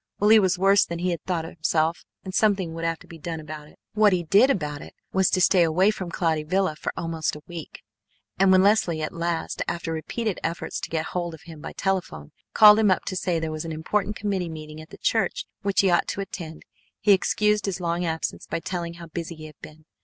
Well, he was worse than he had thought himself and something would have to be done about it. What he did about it was to stay away from Cloudy Villa for almost a week, and when Leslie at last, after repeated efforts to get hold of him by telephone, called him up to say there was an important committee meeting at the church which he ought to attend, he excused his long absence by telling how busy he had been.